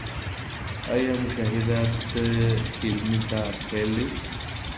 آيا مشاهده د علمي کار پيل دی؟